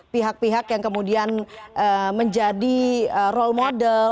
pihak pihak yang kemudian menjadi role model